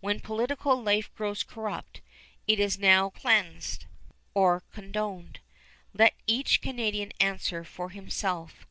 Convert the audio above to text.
When political life grows corrupt, is it now cleansed, or condoned? Let each Canadian answer for himself.